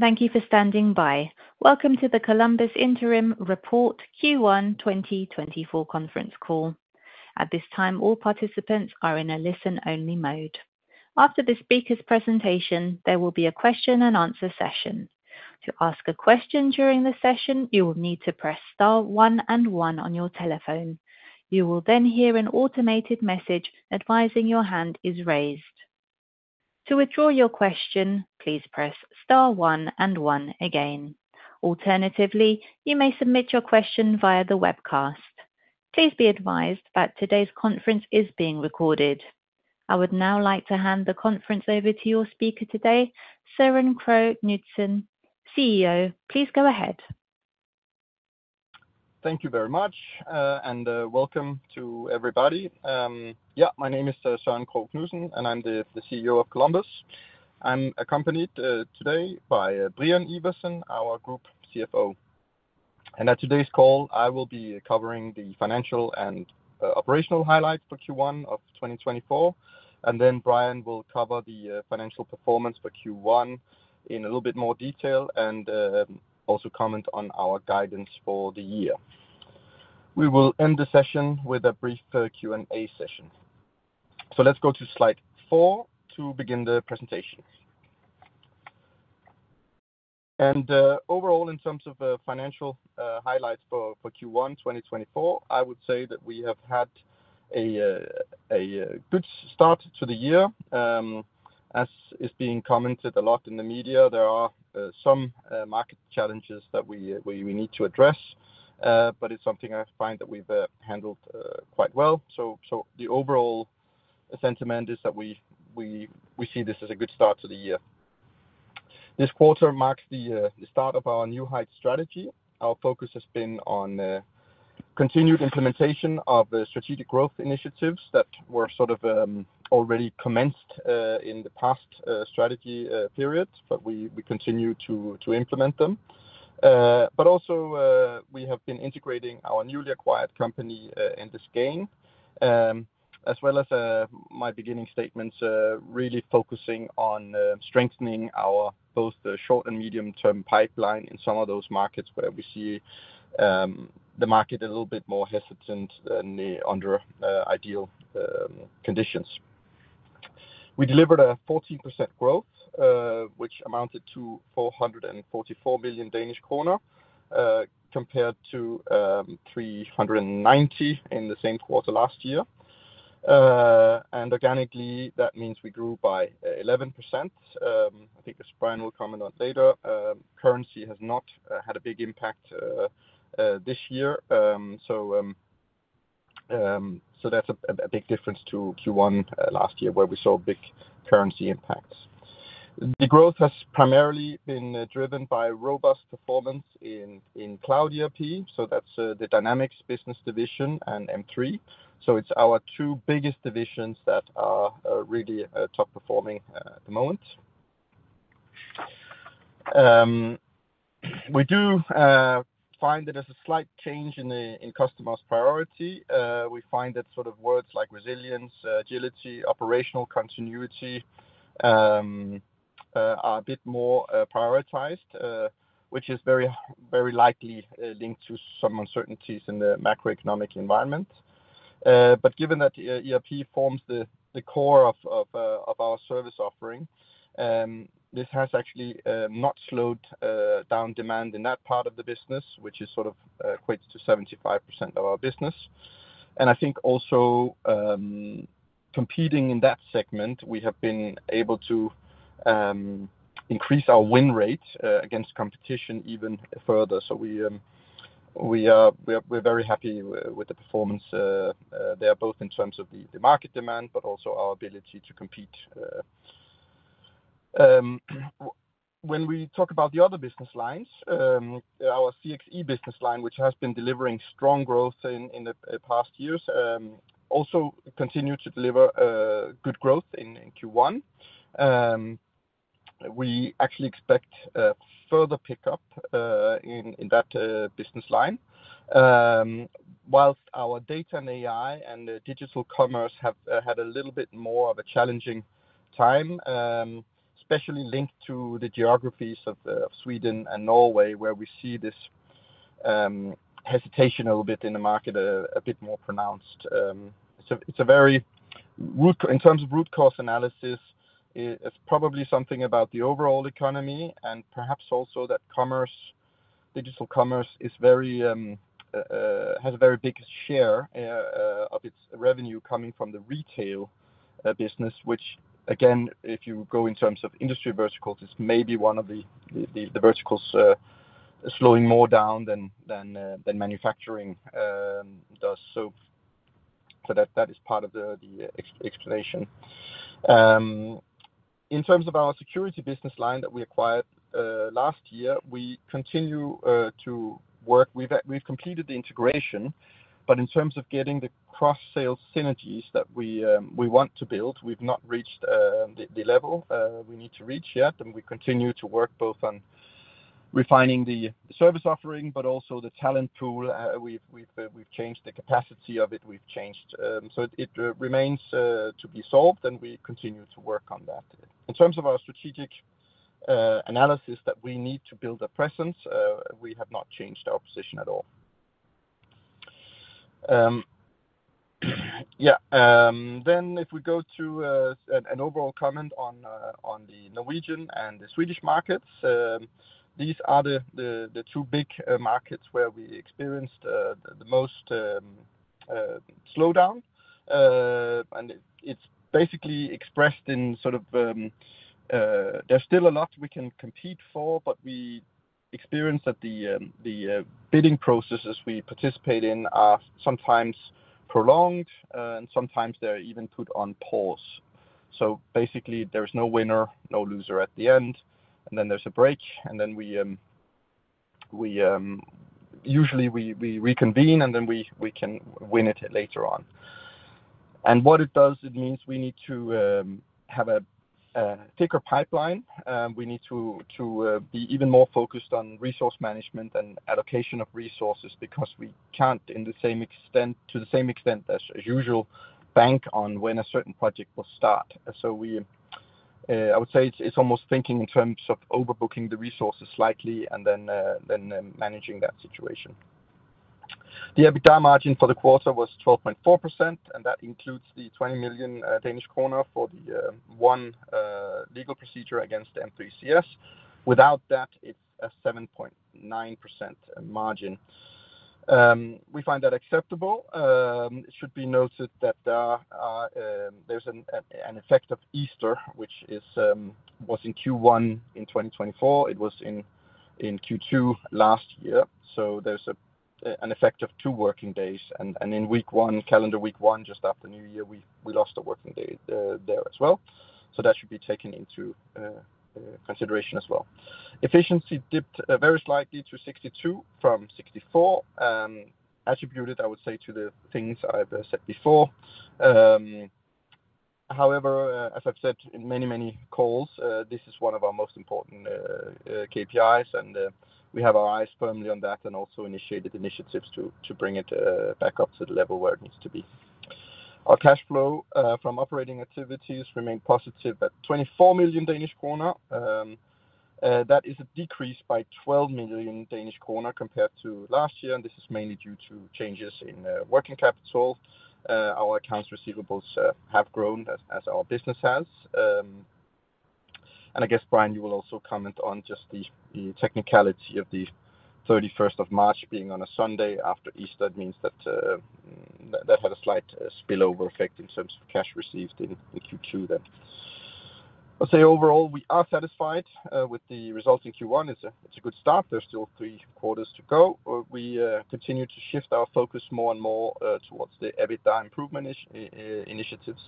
Thank you for standing by. Welcome to the Columbus Interim Report Q1 2024 conference call. At this time, all participants are in a listen-only mode. After the speaker's presentation, there will be a question and answer session. To ask a question during the session, you will need to press star one and one on your telephone. You will then hear an automated message advising your hand is raised. To withdraw your question, please press star one and one again. Alternatively, you may submit your question via the webcast. Please be advised that today's conference is being recorded. I would now like to hand the conference over to your speaker today, Søren Krogh Knudsen, CEO. Please go ahead. Thank you very much, and welcome to everybody. Yeah, my name is Søren Krogh Knudsen, and I'm the CEO of Columbus. I'm accompanied today by Brian Iversen, our group CFO. And at today's call, I will be covering the financial and operational highlights for Q1 of 2024, and then Brian will cover the financial performance for Q1 in a little bit more detail, and also comment on our guidance for the year. We will end the session with a brief Q&A session. So let's go to slide fou to begin the presentation. Overall, in terms of financial highlights for Q1, 2024, I would say that we have had a good start to the year. As is being commented a lot in the media, there are some market challenges that we need to address, but it's something I find that we've handled quite well. So the overall sentiment is that we see this as a good start to the year. This quarter marks the start of our New Heights strategy. Our focus has been on continued implementation of the strategic growth initiatives that were sort of already commenced in the past strategy period, but we continue to implement them. But also, we have been integrating our newly acquired company in this game, as well as my beginning statements really focusing on strengthening our both the short and medium-term pipeline in some of those markets where we see the market a little bit more hesitant than under ideal conditions. We delivered a 14% growth, which amounted to 444 million Danish kroner, compared to 390 million in the same quarter last year. And organically, that means we grew by 11%. I think as Brian will comment on later, currency has not had a big impact this year. So that's a big difference to Q1 last year where we saw big currency impacts. The growth has primarily been driven by robust performance in Cloud ERP, so that's the Dynamics business division and M3. So it's our two biggest divisions that are really top-performing at the moment. We do find that there's a slight change in the customers' priority. We find that sort of words like resilience, agility, operational continuity are a bit more prioritized, which is very, very likely linked to some uncertainties in the macroeconomic environment. But given that, ERP forms the core of our service offering, this has actually not slowed down demand in that part of the business, which is sort of equates to 75% of our business. And I think also, competing in that segment, we have been able to increase our win rate against competition even further. So we are very happy with the performance there, both in terms of the market demand, but also our ability to compete. When we talk about the other business lines, our CXE business line, which has been delivering strong growth in the past years, also continued to deliver good growth in Q1. We actually expect a further pickup in that business line. Whilst our Data & AI and Digital Commerce have had a little bit more of a challenging time, especially linked to the geographies of Sweden and Norway, where we see this hesitation a little bit in the market, a bit more pronounced. So it's a very, root. In terms of root cause analysis, it's probably something about the overall economy and perhaps also that commerce, Digital Commerce, is very, has a very big share of its revenue coming from the retail business, which again, if you go in terms of industry verticals, is maybe one of the verticals slowing more down than manufacturing does. So that is part of the explanation. In terms of our Security business line that we acquired last year, we continue to work. We've completed the integration, but in terms of getting the cross-sale synergies that we want to build, we've not reached the level we need to reach yet, and we continue to work both on refining the service offering, but also the talent pool. We've changed the capacity of it, we've changed, so it remains to be solved, and we continue to work on that. In terms of our strategic analysis that we need to build a presence, we have not changed our position at all. Yeah, then if we go to an overall comment on the Norwegian and the Swedish markets, these are the two big markets where we experienced the most slowdown. And it's basically expressed in sort of there's still a lot we can compete for, but we experience that the bidding processes we participate in are sometimes prolonged, and sometimes they're even put on pause. So basically, there's no winner, no loser at the end, and then there's a break, and then we usually reconvene, and then we can win it later on. And what it does, it means we need to have a thicker pipeline. We need to be even more focused on resource management and allocation of resources, because we can't, in the same extent, to the same extent as usual, bank on when a certain project will start. So we I would say it's, it's almost thinking in terms of overbooking the resources slightly and then, then, managing that situation. The EBITDA margin for the quarter was 12.4%, and that includes the 20 million Danish kroner for the one legal procedure against M3CS. Without that, it's a 7.9% margin. We find that acceptable. It should be noted that there's an, an effect of Easter, which is, was in Q1 in 2024. It was in Q2 last year, so there's an effect of two working days, and in week one, calendar week one, just after new year, we lost a working day there as well. So that should be taken into consideration as well. Efficiency dipped very slightly to 62 from 64, attributed, I would say, to the things I've said before. However, as I've said in many, many calls, this is one of our most important KPIs, and we have our eyes firmly on that and also initiated initiatives to bring it back up to the level where it needs to be. Our cash flow from operating activities remained positive at 24 million Danish krone. That is a decrease by 12 million Danish krone compared to last year, and this is mainly due to changes in working capital. Our accounts receivables have grown as our business has. And I guess, Brian, you will also comment on just the technicality of the 31st of March being on a Sunday after Easter. It means that had a slight spillover effect in terms of cash received in the Q2 then. I'd say overall, we are satisfied with the results in Q1. It's a good start. There's still three quarters to go. We continue to shift our focus more and more towards the EBITDA improvement initiatives.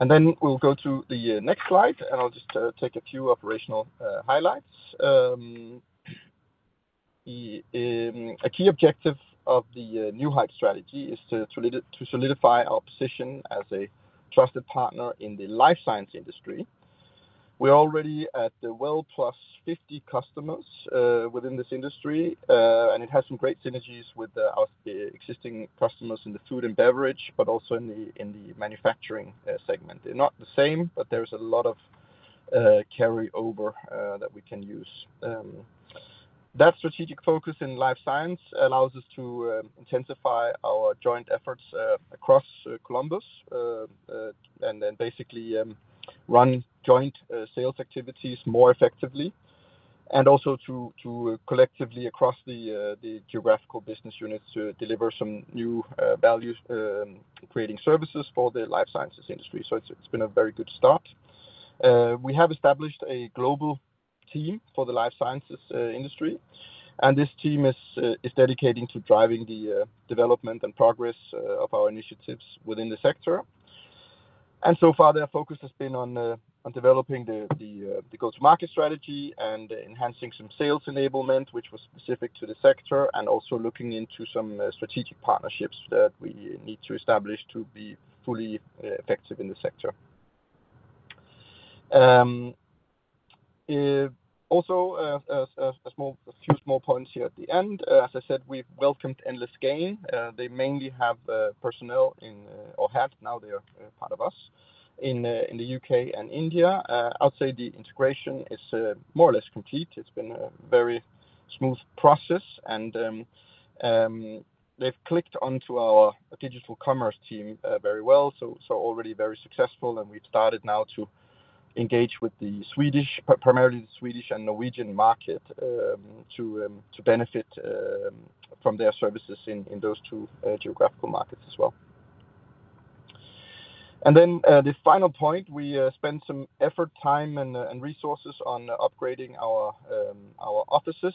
And then we'll go to the next slide, and I'll just take a few operational highlights. A key objective of the new height strategy is to solidify our position as a trusted partner in the Life Science industry. We're already at well over 50 customers within this industry, and it has some great synergies with our existing customers in the food and beverage, but also in the manufacturing segment. They're not the same, but there's a lot of carryover that we can use. That strategic focus in Life Science allows us to intensify our joint efforts across Columbus and then basically run joint sales activities more effectively, and also to collectively across the geographical business units, to deliver some new value creating services for the Life Sciences industry. So it's been a very good start. We have established a global team for the Life Sciences industry, and this team is dedicating to driving the development and progress of our initiatives within the sector. So far, their focus has been on developing the go-to-market strategy and enhancing some sales enablement, which was specific to the sector, and also looking into some strategic partnerships that we need to establish to be fully effective in the sector. Also, a few small points here at the end. As I said, we've welcomed Endless Gain. They mainly have personnel in the UK and India. Now they are part of us in the UK and India. I'd say the integration is more or less complete. It's been a very smooth process, and they've clicked onto our digital commerce team very well, so already very successful. And we've started now to engage with the Swedish, primarily the Swedish and Norwegian market, to benefit from their services in those two geographical markets as well. And then the final point, we spent some effort, time, and resources on upgrading our offices,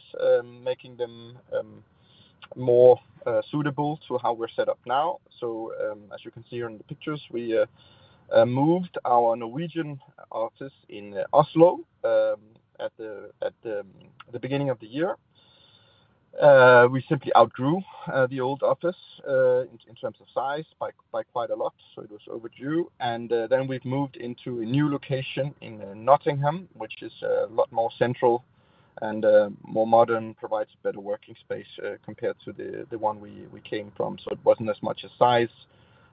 making them more suitable to how we're set up now. So, as you can see here in the pictures, we moved our Norwegian office in Oslo at the beginning of the year. We simply outgrew the old office in terms of size by quite a lot, so it was overdue. Then we've moved into a new location in Nottingham, which is a lot more central and more modern, provides better working space, compared to the one we came from. So it wasn't as much a size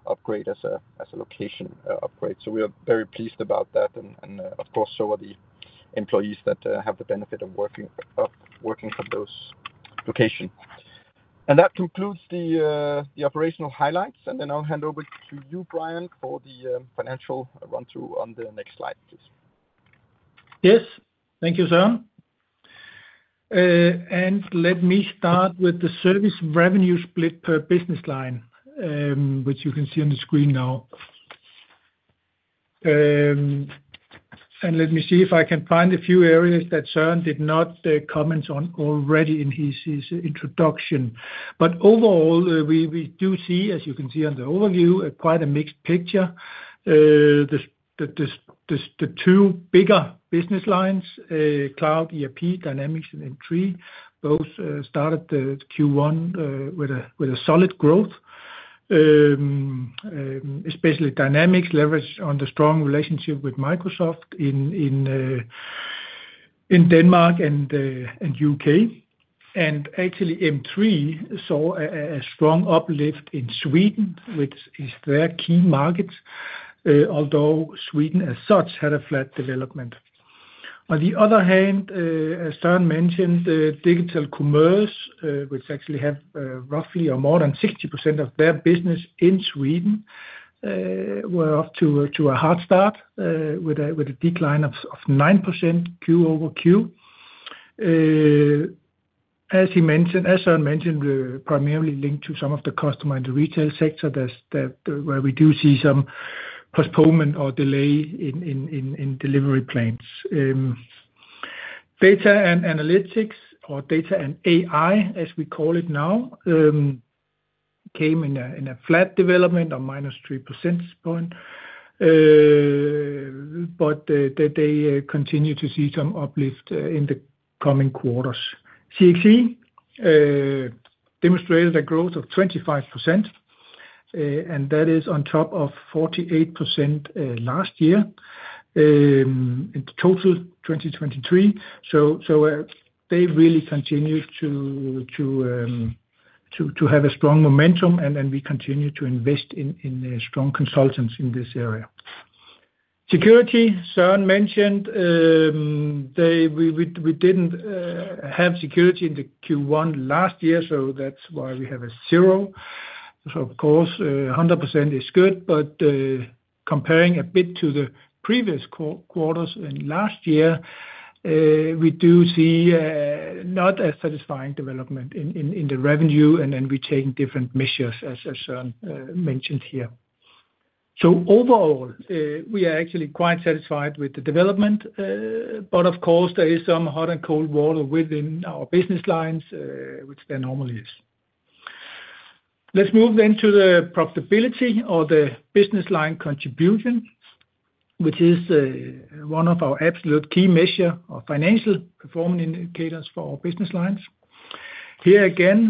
upgrade as a location upgrade. So we are very pleased about that, and of course, so are the employees that have the benefit of working from those location. And that concludes the operational highlights, and then I'll hand over to you, Brian, for the financial run through on the next slide, please. Yes. Thank you, Søren. And let me start with the service revenue split per business line, which you can see on the screen now. And let me see if I can find a few areas that Søren did not comment on already in his introduction. But overall, we do see, as you can see on the overview, quite a mixed picture. The two bigger business lines, Cloud ERP, Dynamics, and M3, both started the Q1 with a solid growth. Especially Dynamics leveraged on the strong relationship with Microsoft in Denmark and UK. And actually, M3 saw a strong uplift in Sweden, which is their key market, although Sweden, as such, had a flat development. On the other hand, as Søren mentioned, the Digital Commerce, which actually have roughly or more than 60% of their business in Sweden, were off to a hard start with a decline of 9% Q-over-Q. As he mentioned, as Søren mentioned, we're primarily linked to some of the customer in the retail sector that where we do see some postponement or delay in delivery plans. Data and Analytics or Data & AI, as we call it now, came in a flat development or minus 3 percentage point, but they continue to see some uplift in the coming quarters. CXE demonstrated a growth of 25%, and that is on top of 48% last year, in total 2023. So, they really continue to have a strong momentum, and then we continue to invest in strong consultants in this area. Security, Søren mentioned, we didn't have security in the Q1 last year, so that's why we have a zero. So of course, 100% is good, but comparing a bit to the previous quarters and last year, we do see not a satisfying development in the revenue, and then we're taking different measures, as Søren mentioned here. So overall, we are actually quite satisfied with the development, but of course, there is some hot and cold water within our business lines, which there normally is. Let's move into the profitability or the business line contribution, which is one of our absolute key measure of financial performance indicators for our business lines. Here, again,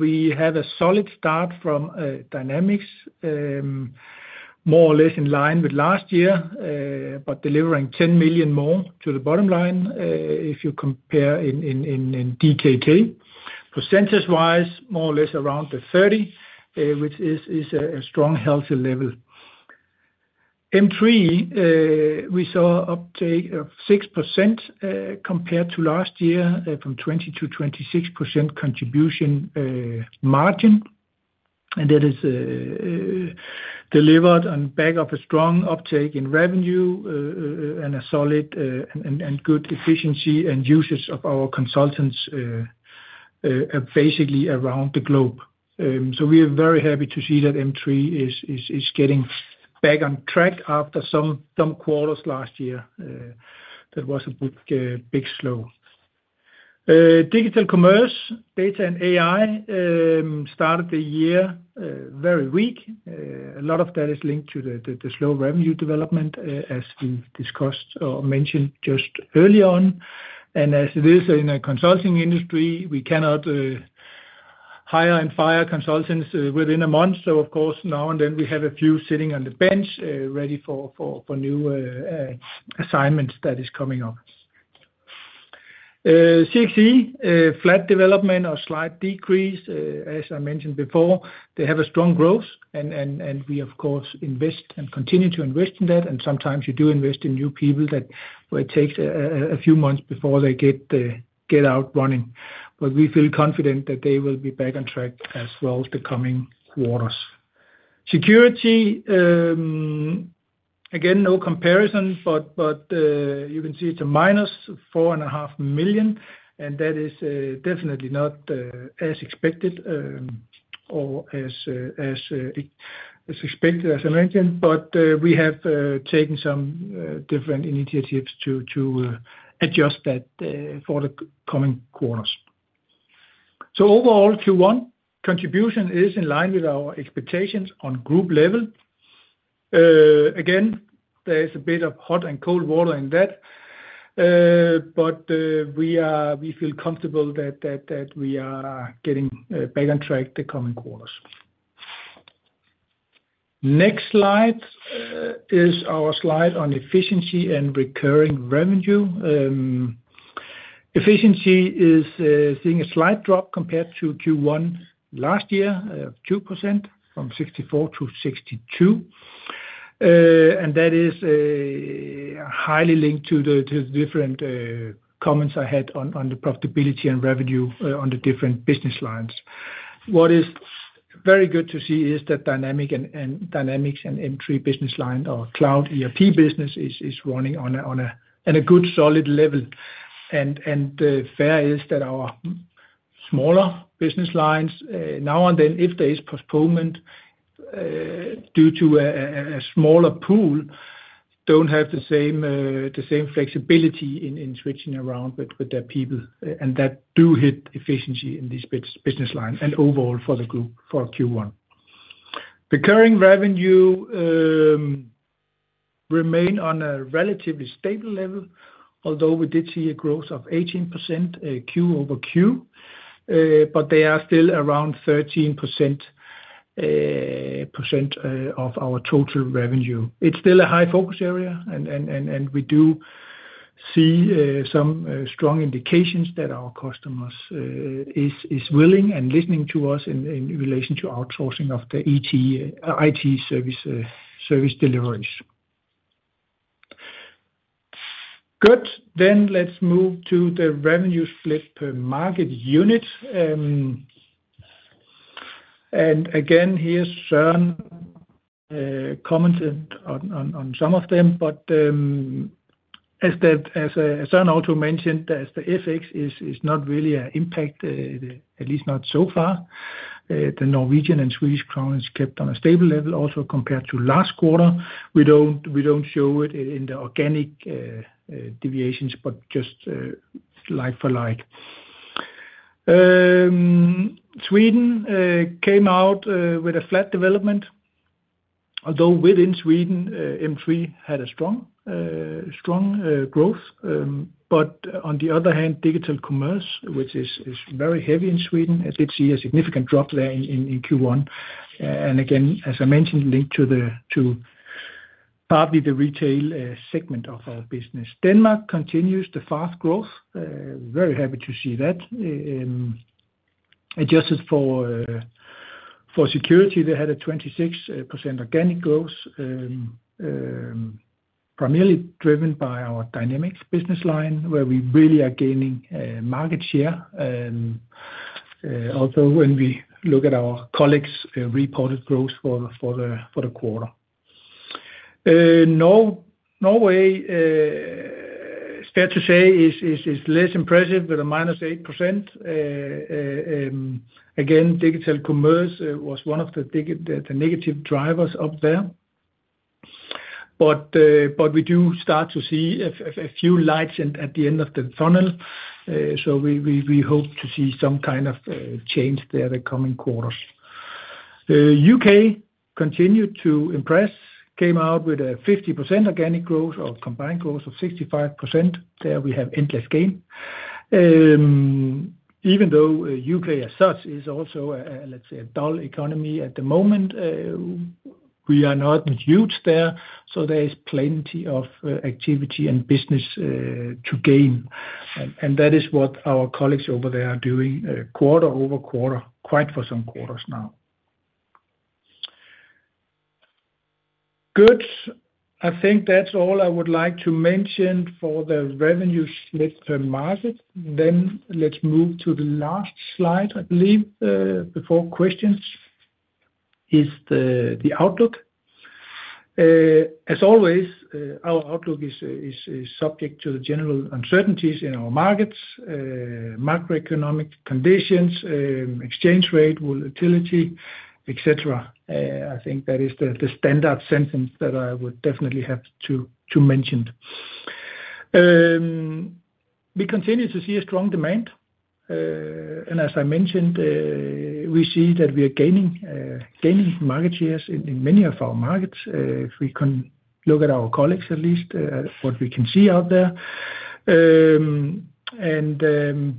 we have a solid start from Dynamics, more or less in line with last year, but delivering 10 million more to the bottom line, if you compare in DKK. Percentage-wise, more or less around the 30%, which is a strong, healthy level. M3, we saw uptake of 6%, compared to last year, from 20%-26% contribution margin, and that is delivered on back of a strong uptake in revenue, and a solid and good efficiency and usage of our consultants, basically around the globe. So we are very happy to see that M3 is getting back on track after some quarters last year that was a big slow. Digital Commerce, Data & AI started the year very weak. A lot of that is linked to the slow revenue development as we've discussed or mentioned just early on. And as it is in a consulting industry, we cannot hire and fire consultants within a month. Of course, now and then we have a few sitting on the bench ready for new assignments that is coming up. CXE, flat development or slight decrease, as I mentioned before, they have a strong growth and we, of course, invest and continue to invest in that, and sometimes you do invest in new people that, well, it takes a few months before they get out running. But we feel confident that they will be back on track as well the coming quarters. Security, again, no comparison, but you can see it's a -4.5 million, and that is definitely not as expected or as expected, as I mentioned. But we have taken some different initiatives to adjust that for the coming quarters. So overall, Q1 contribution is in line with our expectations on group level. Again, there is a bit of hot and cold water in that. But we feel comfortable that we are getting back on track the coming quarters. Next slide is our slide on efficiency and recurring revenue. Efficiency is seeing a slight drop compared to Q1 last year, 2% from 64 to 62. And that is highly linked to the different comments I had on the profitability and revenue on the different business lines. What is very good to see is that Dynamics and M3 business line or Cloud ERP business is running on a good solid level. Fair is that our smaller business lines, now and then, if there is postponement, due to a smaller pool, don't have the same flexibility in switching around with their people. That do hit efficiency in this business line and overall for the group for Q1. Recurring revenue remain on a relatively stable level, although we did see a growth of 18% Q-over-Q. But they are still around 13% of our total revenue. It's still a high focus area. And we do see some strong indications that our customers is willing and listening to us in relation to outsourcing of the IT service deliveries. Good. Then let's move to the revenue split per market unit. And again, here Søren commented on some of them. But, as that, as, Søren also mentioned, as the FX is not really an impact, at least not so far. The Norwegian and Swedish crown is kept on a stable level also compared to last quarter. We don't show it in the organic deviations, but just like for like. Sweden came out with a flat development, although within Sweden, M3 had a strong growth. But on the other hand, digital commerce, which is very heavy in Sweden, as it see a significant drop there in Q1. And again, as I mentioned, linked to partly the retail segment of our business. Denmark continues the fast growth. Very happy to see that. Adjusted for Security, they had a 26% organic growth, primarily driven by our Dynamics business line, where we really are gaining market share. Also, when we look at our colleagues reported growth for the quarter. Norway, fair to say, is less impressive with a -8%. Again, Digital Commerce was one of the big negative drivers up there. But we do start to see a few lights at the end of the tunnel. So we hope to see some kind of change there the coming quarters. The UK continued to impress, came out with a 50% organic growth, or combined growth of 65%. There we have Endless Gain. Even though the UK as such is also a, let's say, a dull economy at the moment, we are not huge there, so there is plenty of activity and business to gain. And that is what our colleagues over there are doing quarter-over-quarter, quite for some quarters now. Good. I think that's all I would like to mention for the revenue split per market. Then let's move to the last slide, I believe, before questions, is the outlook. As always, our outlook is subject to the general uncertainties in our markets, macroeconomic conditions, exchange rate volatility, et cetera. I think that is the standard sentence that I would definitely have to mention. We continue to see a strong demand, and as I mentioned, we see that we are gaining, gaining market shares in, in many of our markets. If we can look at our colleagues, at least, what we can see out there.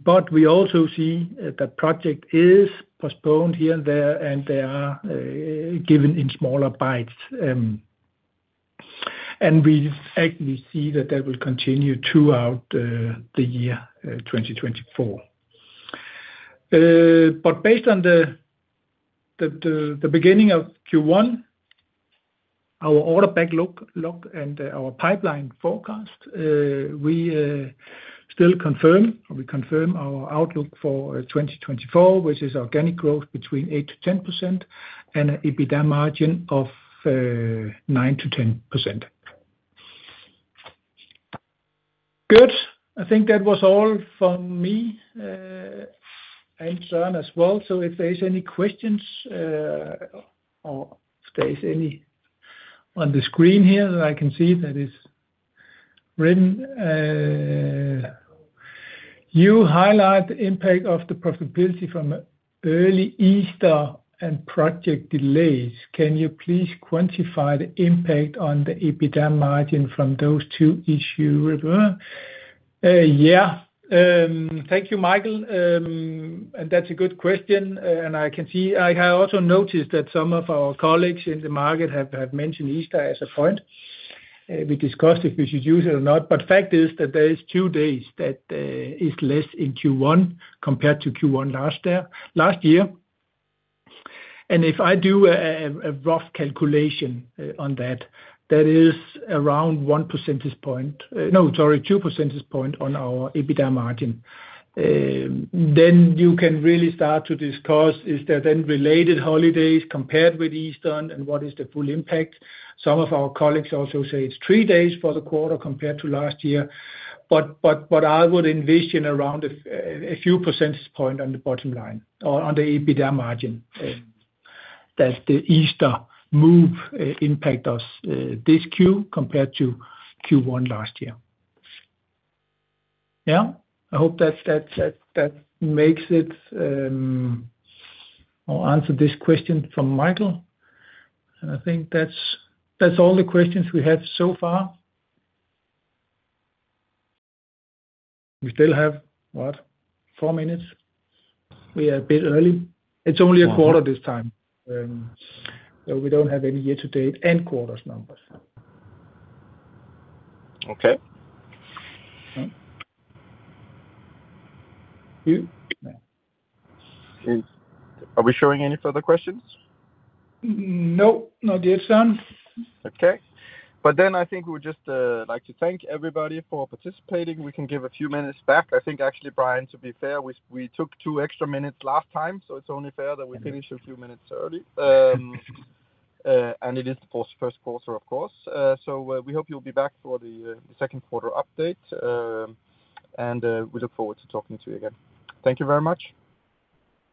But we also see that project is postponed here and there, and they are given in smaller bites. And we actually see that that will continue throughout the year, 2024. But based on the beginning of Q1, our order backlog and our pipeline forecast, we still confirm, or we confirm our outlook for 2024, which is organic growth between 8%-10% and EBITDA margin of 9%-10%. Good. I think that was all from me, and Søren as well. So if there's any questions, or if there's any on the screen here that I can see that is? Written, you highlight the impact of the profitability from early Easter and project delays. Can you please quantify the impact on the EBITDA margin from those two issue? Yeah. Thank you, Michael. And that's a good question, and I can see—I have also noticed that some of our colleagues in the market have mentioned Easter as a point. We discussed if we should use it or not, but fact is that there is two days that is less in Q1 compared to Q1 last year, last year. And if I do a rough calculation on that, that is around one percentage point, no, sorry, two percentage point on our EBITDA margin. Then you can really start to discuss, is there then related holidays compared with Easter, and what is the full impact? Some of our colleagues also say it's three days for the quarter compared to last year. But I would envision around a few percentage point on the bottom line or on the EBITDA margin. That the Easter move impact us this Q compared to Q1 last year. Yeah, I hope that's that makes it. I'll answer this question from Michael. And I think that's all the questions we have so far. We still have, what? Four minutes. We are a bit early. It's only a quarter this time, so we don't have any year to date and quarters numbers. Okay. All right. You? Are we showing any further questions? No. No, Jeffson. Okay. But then I think we would just like to thank everybody for participating. We can give a few minutes back. I think, actually, Brian, to be fair, we took two extra minutes last time, so it's only fair that we finish a few minutes early. It is the first quarter, of course. We hope you'll be back for the second quarter update, and we look forward to talking to you again. Thank you very much.